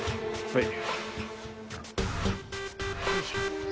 はい。